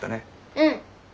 うん。